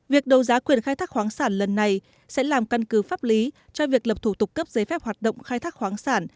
việc đấu giá quyền khai thác khoáng sản lần này sẽ làm căn cứ pháp lý cho việc lập thủ tục cấp giấy phép hoạt động khai thác khoáng sản